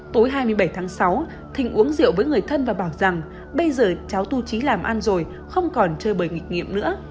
tối hai mươi bảy tháng sáu thình uống rượu với người thân và bảo rằng bây giờ cháu tu trí làm ăn rồi không còn chơi bởi nghịch nghiệm nữa